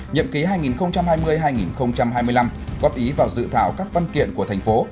nhậm ký hai nghìn hai mươi hai nghìn hai mươi năm góp ý vào dự thảo các văn kiện của thành phố